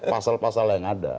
pasal pasal yang ada